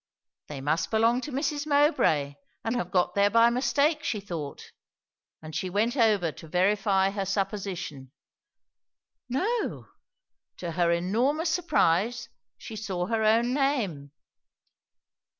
They must belong to Mrs. Mowbray and have got there by mistake, she thought; and she went over to verify her supposition. No, to her enormous surprise she saw her own name.